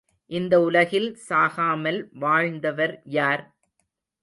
இந்த உலகில் சாகாமல் வாழ்ந்தவர் யார்?